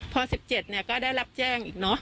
พอ๑๗ก็ได้รับแจ้งอีก